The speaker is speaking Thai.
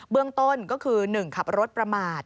เรื่องต้นก็คือ๑ขับรถประมาท